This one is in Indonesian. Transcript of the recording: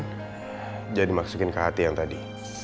jangan dimaksudin ke hati yang tadi